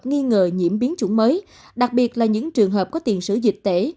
nghi ngờ nhiễm biến chủng mới đặc biệt là những trường hợp có tiền sử dịch tễ